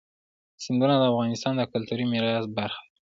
سیندونه د افغانستان د کلتوري میراث برخه ده.